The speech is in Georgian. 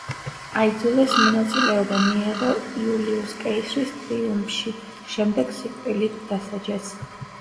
აიძულეს მონაწილეობა მიეღო იულიუს კეისრის ტრიუმფში, შემდეგ სიკვდილით დასაჯეს.